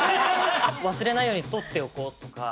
忘れないように録っておこうとか。